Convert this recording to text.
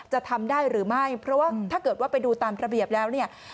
จะทำได้หรือไม่เพราะว่าถ้าเกิดว่าไปดูตามระเบียบแล้วเนี่ย